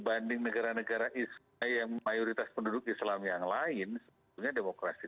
anti demokrasi dan ke arah demokrasi